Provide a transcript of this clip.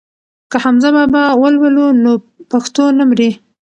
که حمزه بابا ولولو نو پښتو نه مري.